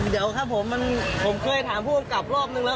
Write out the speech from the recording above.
เดี๋ยวครับผมผมเคยถามผู้กำกับรอบนึงแล้ว